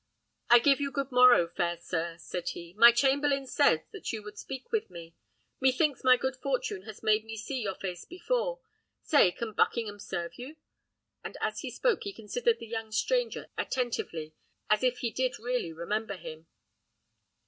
"I give you good morrow, fair sir!" said he. "My chamberlain says that you would speak with me. Methinks my good fortune has made me see your face before. Say, can Buckingham serve you?" And as he spoke he considered the young stranger attentively, as if he did really remember him.